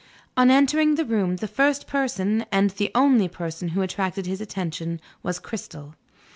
On entering the room, the first person, and the only person, who attracted his attention was Cristel.